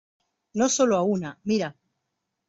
no solo a una, mira.